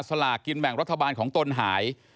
สลากกินแบ่งรัฐบาลของตนหาย